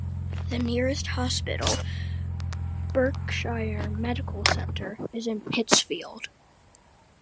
The nearest hospital, Berkshire Medical Center, is in Pittsfield.